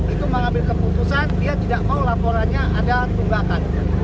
itu mengambil keputusan dia tidak mau laporannya ada tunggakan